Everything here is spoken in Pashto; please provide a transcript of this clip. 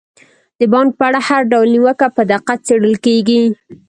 د بانک په اړه هر ډول نیوکه په دقت څیړل کیږي.